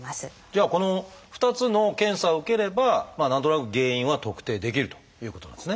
じゃあこの２つの検査を受ければ何となく原因は特定できるということなんですね。